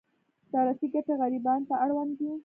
دولتي ګټې غریبانو ته اړوند دي.